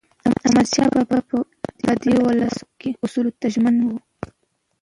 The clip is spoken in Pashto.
احمدشاه بابا به د ولسواکۍ اصولو ته ژمن و.